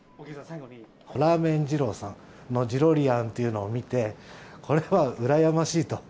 ラーメン二郎さんのジロリアンっていうのを見て、これは羨ましいと。